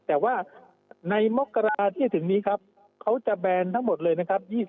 แต่ว่าในมกราที่จะถึงนี้ครับเขาจะแบนทั้งหมดเลยนะครับ